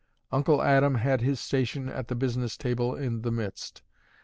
Uncle Adam had his station at the business table in the midst.